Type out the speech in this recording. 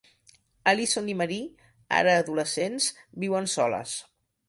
Allison i Marie, ara adolescents, viuen soles.